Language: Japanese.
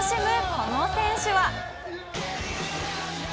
この選手は。